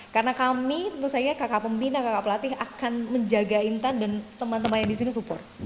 karena kami tentu saja kakak pembina kakak pelatih akan menjaga intan dan teman teman yang disini support